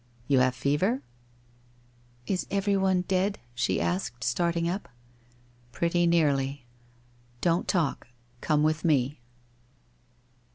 ' You have fever ?'' Is everyone dead ?' she asked, starting up. 1 Pretty nearly ! Don't talk. Come with me